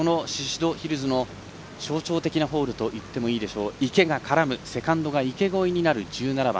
宍戸ヒルズの象徴的なホールといってもいいでしょう、池が絡むセカンドが池越えになる１７番。